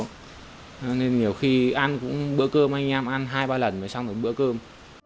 cho nên nhiều khi ăn cũng bữa cơm anh em ăn hai ba lần rồi xong rồi bữa cơm